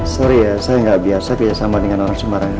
sorry ya saya gak biasa belajar sama dengan orang sembarangan